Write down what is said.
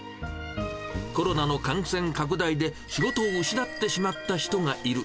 コロナの感染拡大で、仕事を失ってしまった人がいる。